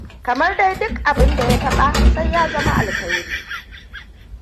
Kamar dai duk abinda ya taɓa sai ya zama alkhairi.